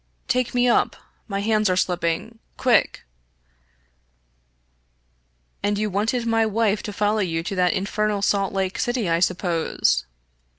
'* Take me up. My hands are slipping. Quick !" "And you wanted my wife to follow you to that in fernal Salt Lake City, I suppose